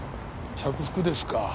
着服ですか。